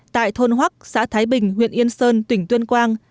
tại thôn hoác xã thái bình huyện yên sơn tỉnh tuyên quang